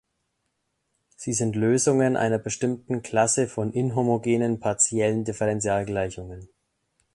Sie sind Lösungen einer bestimmten Klasse von inhomogenen partiellen Differentialgleichungen.